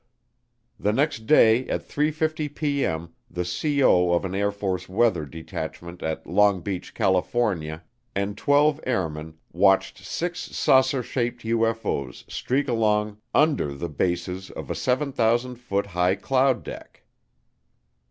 The next day at 3:50P.M. the C.O. of an Air Force weather detachment at Long Beach, California, and twelve airmen watched six saucer shaped UFO's streak along under the bases of a 7000 foot high cloud deck.